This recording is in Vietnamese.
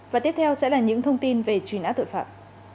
và tiếp theo sẽ là những thông tin về truy nã tội phạm